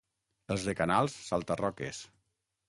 Els de Canals, salta-roques.